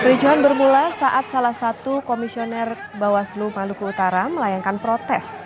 kericuhan bermula saat salah satu komisioner bawaslu maluku utara melayangkan protes